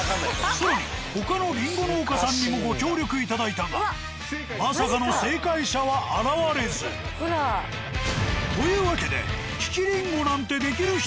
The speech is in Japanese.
更に他のりんご農家さんにもご協力いただいたがまさかの正解者は現れず。というわけで。